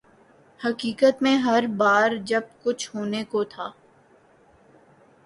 حقیقت میں ہر بار جب کچھ ہونے کو تھا۔